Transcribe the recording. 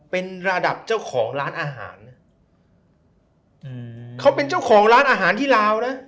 เป็นระดับเจ้าของร้านอาหารนะอืมเขาเป็นเจ้าของร้านอาหารที่ลาวนะ